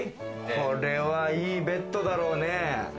これはベッドだろうね。